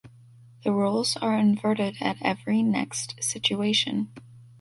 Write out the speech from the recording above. The roles are inverted at every next situation.